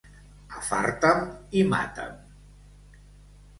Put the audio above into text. Afarta'm i mata'm.